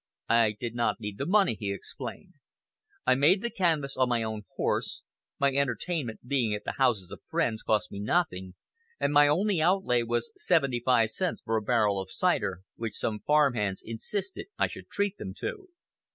"I did not need the money," he explained. "I made the canvass on my own horse; my entertainment, being at the houses of friends, cost me nothing; and my only outlay was seventy five cents for a barrel of cider, which some farm hands insisted I should treat them to."